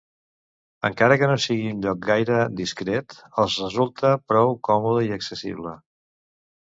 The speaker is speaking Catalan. Encara que no sigui un lloc gaire discret, els resulta prou còmode i accessible.